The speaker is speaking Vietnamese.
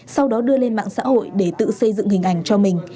sau đó đưa lên mạng xã hội để tự xây dựng hình ảnh cho mình